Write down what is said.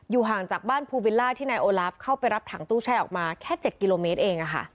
ห่างจากบ้านภูวิลล่าที่นายโอลาฟเข้าไปรับถังตู้แช่ออกมาแค่๗กิโลเมตรเอง